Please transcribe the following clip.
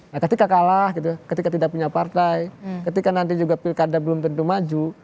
nah ketika kalah gitu ketika tidak punya partai ketika nanti juga pilkada belum tentu maju